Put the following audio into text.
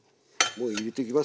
もう入れてきます。